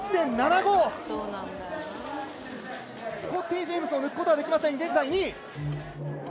スコッティ・ジェイムズを抜くことはできません現在２位。